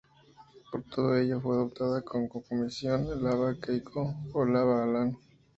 Por todo ello fue apodada como Comisión Lava Keiko o Lava Alan.